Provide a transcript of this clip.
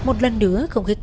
một lần nữa không khí cao lắm